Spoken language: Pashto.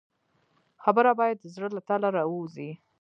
خبره باید د زړه له تله راووځي.